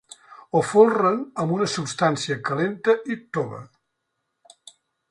Ho folren amb una substància calenta i tova.